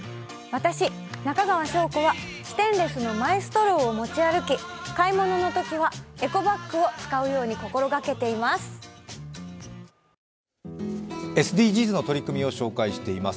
私、中川翔子はステンレスのマイストローを持ち歩き買い物のときはエコバッグを使うように心がけています。